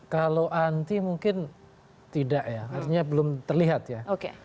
kalau anti mungkin tidak ya artinya belum terlihat ya